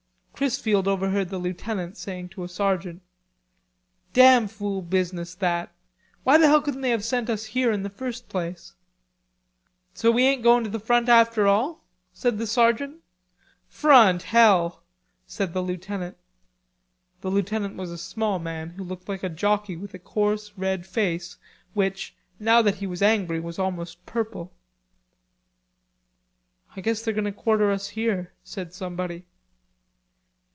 Chrisfield overheard the lieutenant saying to a sergeant: "Damn fool business that. Why the hell couldn't they have sent us here in the first place?" "So we ain't goin' to the front after all?" said the sergeant. "Front, hell!" said the lieutenant. The lieutenant was a small man who looked like a jockey with a coarse red face which, now that he was angry, was almost purple. "I guess they're going to quarter us here," said somebody.